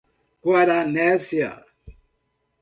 Guaranésia